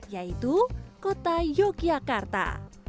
yaitu kota yogyakarta